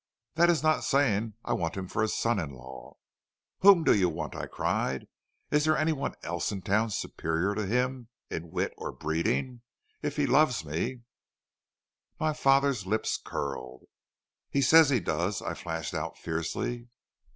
"'That is not saying I want him for a son in law.' "'Whom do you want?' I cried. 'Is there any one else in town superior to him in wit or breeding? If he loves me ' "My father's lip curled. "'He says he does,' I flashed out fiercely.